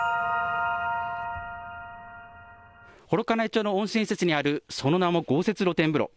幌加内町の温泉施設にあるその名も豪雪露天風呂。